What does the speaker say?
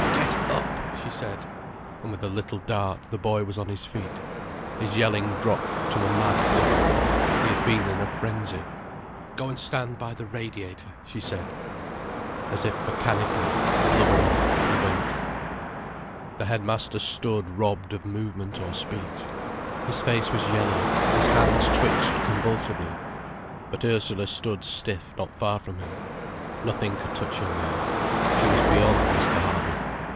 "Get up," she said. And with a little dart the boy was on his feet. His yelling dropped to a mad blubber. He had been in a frenzy. "Go and stand by the radiator," she said. As if mechanically, blubbering, he went. The headmaster stood robbed of movement or speech. His face was yellow, his hands twitched convulsively. But Ursula stood stiff not far from him. Nothing could touch her now: she was beyond Mr. Harby.